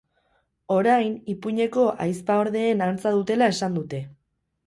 Orain, ipuineko ahizpaordeen antza dutela esan dute.